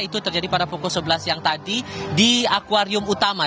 itu terjadi pada pukul sebelas siang tadi di akwarium utama